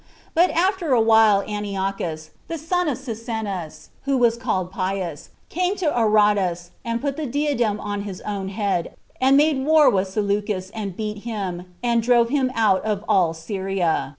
But after a while Antiochus, the son of Cyzicenus, who was called Pius, came to Aradus, and put the diadem on his own head, and made war with Seleucus, and beat him, and drove him out of all Syria.